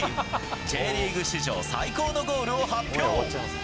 Ｊリーグ史上最高のゴールを発表。